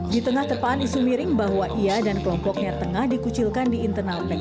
di tengah terpaan isu miring bahwa ia dan kelompoknya tengah dikucilkan di internal pks